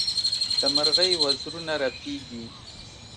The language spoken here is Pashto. د مرغۍ وزرونه رپېږي.